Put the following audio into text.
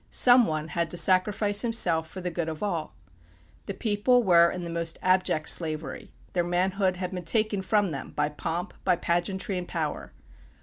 Some one had to sacrifice himself for the good of all. The people were in the most abject slavery; their manhood had been taken from them by pomp, by pageantry and power.